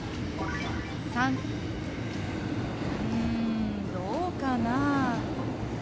③「うんどうかなぁ？」。